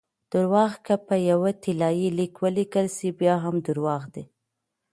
درواغ که په یو طلايي لیک ولیکل سي؛ بیا هم درواغ دي!